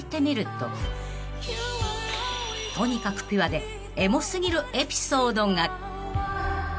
［とにかくピュアでエモ過ぎるエピソードが］